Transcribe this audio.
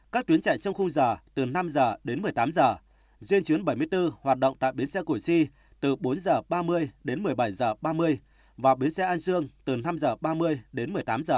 các tuyến chạy trong khung giờ từ năm h đến một mươi tám h riêng chuyến bảy mươi bốn hoạt động tại biến xe củ chi từ bốn h ba mươi đến một mươi bảy h ba mươi và biến xe an sương từ năm h ba mươi đến một mươi tám h ba mươi